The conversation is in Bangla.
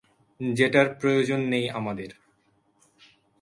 যেটার প্রয়োজন নেই আমাদের।